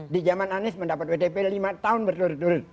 di zaman anies mendapat wtp lima tahun berturut turut